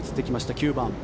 ９番。